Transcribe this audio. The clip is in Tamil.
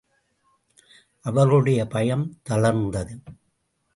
அவர்களுடைய பயம் தளர்ந்தது.